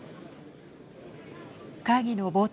会議の冒頭